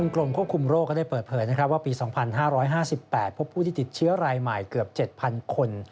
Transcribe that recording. กรมควบคุมโรคก็ได้เปิดเผยว่าปี๒๕๕๘พบผู้ที่ติดเชื้อรายใหม่เกือบ๗๐๐คน